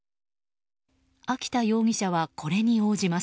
秋田容疑者はこれに応じます。